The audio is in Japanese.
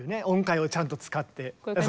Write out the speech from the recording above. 音階をちゃんと使って。